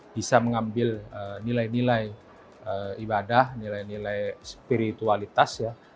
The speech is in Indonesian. bisa mengambil nilai nilai ibadah nilai nilai spiritualitas ya